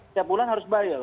setiap bulan harus bayar